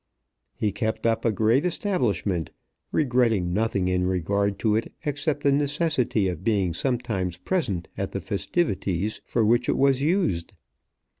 He kept up a great establishment, regretting nothing in regard to it except the necessity of being sometimes present at the festivities for which it was used.